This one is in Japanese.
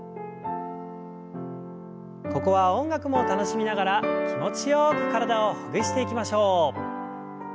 ここは音楽も楽しみながら気持ちよく体をほぐしていきましょう。